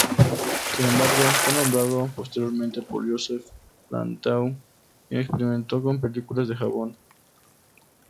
Sin embargo, fue nombrado posteriormente por Joseph Plateau quien experimentó con películas de jabón.